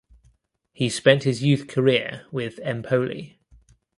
He spent his youth career with Empoli.